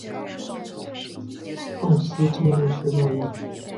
奥斯特洛修道院。